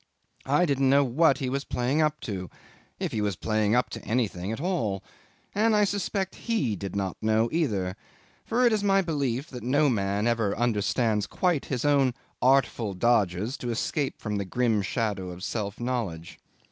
I didn't know what he was playing up to if he was playing up to anything at all and I suspect he did not know either; for it is my belief no man ever understands quite his own artful dodges to escape from the grim shadow of self knowledge.